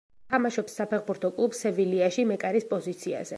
თამაშობს საფეხბურთო კლუბ „სევილიაში“ მეკარის პოზიციაზე.